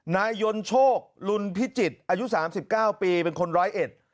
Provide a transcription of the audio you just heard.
นายยนชโศกลุญพิจิตรอายุ๓๙ปีเป็นคนร้อยเอ็ด